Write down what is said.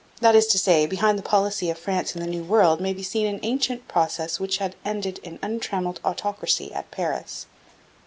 That is to say, behind the policy of France in the New World may be seen an ancient process which had ended in untrammelled autocracy at Paris.